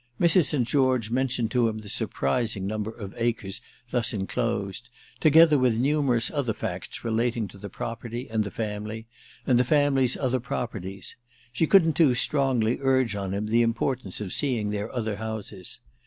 Mrs. St. George mentioned to him the surprising number of acres thus enclosed, together with numerous other facts relating to the property and the family, and the family's other properties: she couldn't too strongly urge on him the importance of seeing their other houses.